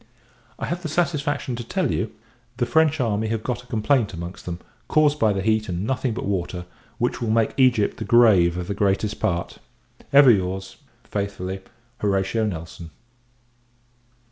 I have the satisfaction to tell you, the French army have got a complaint amongst them caused by the heat, and nothing but water which will make Egypt the grave of the greatest part. Ever your's, faithfully, HORATIO NELSON.